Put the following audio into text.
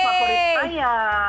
itu film favorit saya